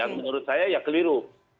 menurut saya ya keliru